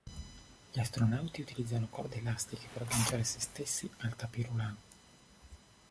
Gli astronauti utilizzano corde elastiche per agganciare se stessi al tapis roulant.